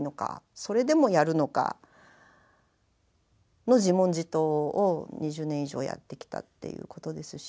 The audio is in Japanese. それでもやるのかの自問自答を２０年以上やってきたっていうことですし。